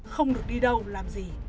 không được đi đâu làm gì